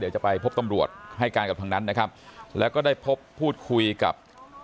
เดี๋ยวจะไปพบตำรวจให้การกับทางนั้นนะครับแล้วก็ได้พบพูดคุยกับ